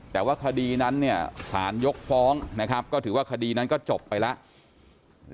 แต่ว่าคดีนั้นสารยกฟ้องนะครับก็ถือว่าคดีนั้นก็จบไปแล้ว